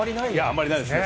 あまりないですね。